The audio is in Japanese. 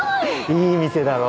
いい店だろ？